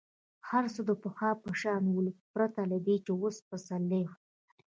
هر څه د پخوا په شان ول پرته له دې چې اوس پسرلی وو.